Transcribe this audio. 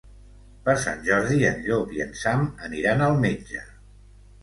Per Sant Jordi en Llop i en Sam aniran al metge.